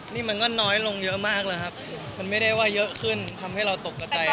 นี่มันก็น้อยลงเยอะมากเลยไม่ได้ว่าเป็นเยอะขึ้นทำให้ตกกับใจ